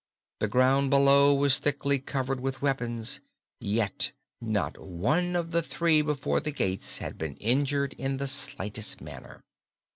The ground below was thickly covered with weapons, yet not one of the three before the gates had been injured in the slightest manner.